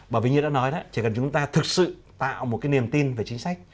bởi vì như đã nói đó chỉ cần chúng ta thực sự tạo một cái niềm tin về chính sách